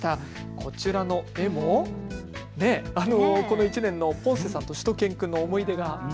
こちらの絵も、この１年のポンセさんとしゅと犬くんの思い出が。